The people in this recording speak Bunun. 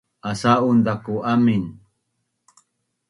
asa’un zaku amin